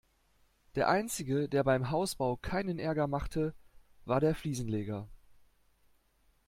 Der einzige, der beim Hausbau keinen Ärger machte, war der Fliesenleger.